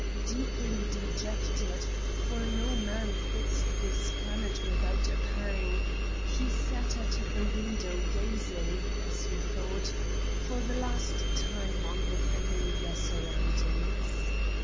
Deeply dejected, for no man quits this planet without a pang, he sat at the window gazing, as he thought, for the last time on the familiar surroundings.